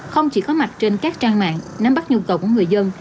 không chỉ có mặt trên các trang mạng nắm bắt nhu cầu của người dân